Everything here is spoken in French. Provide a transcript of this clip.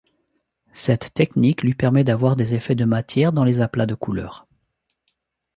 Cette technique lui permet d’avoir des effets de matière dans les aplats de couleurs.